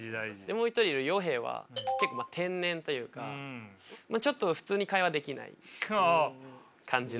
もう一人いるＹＯＨＥは結構天然というかちょっと普通に会話できない感じの。